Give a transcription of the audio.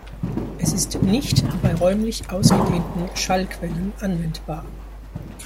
Es ist nicht bei räumlich ausgedehnten Schallquellen anwendbar.